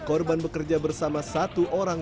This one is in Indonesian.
korban bekerja bersama satu orang